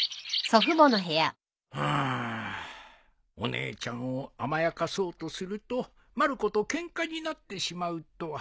うーんお姉ちゃんを甘やかそうとするとまる子とケンカになってしまうとは。